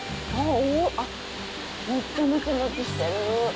めっちゃもちもちしてる。